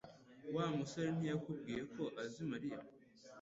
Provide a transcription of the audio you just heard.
Wa musore ntiyakubwiye ko azi Mariya